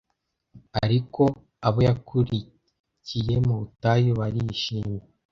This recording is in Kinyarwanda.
ariko abo yakurikiye mu butayu barishimye